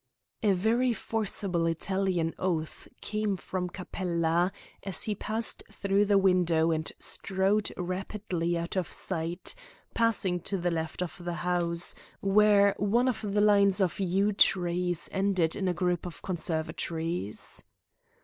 A very forcible Italian oath came from Capella as he passed through the window and strode rapidly out of sight, passing to the left of the house, where one of the lines of yew trees ended in a group of conservatories.